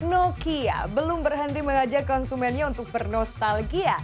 nokia belum berhenti mengajak konsumennya untuk bernostalgia